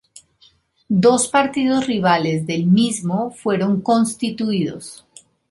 Dos partidos rivales del mismo fueron constituidos.